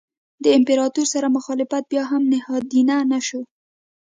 د امپراتور سره مخالفت بیا هم نهادینه نه شو.